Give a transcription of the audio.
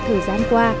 thời gian qua